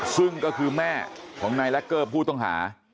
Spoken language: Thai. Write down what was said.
ซึ่งก็คือแม่ของนายแล็กเกอร์ผู้ต้องหา